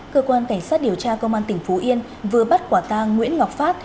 cơ quan cảnh sát điều tra công an tỉnh phú yên vừa bắt quả tang nguyễn ngọc phát